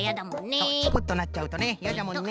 そうチクッとなっちゃうとねいやじゃもんね。